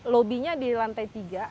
lobinya di lantai tiga